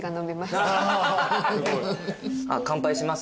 乾杯します？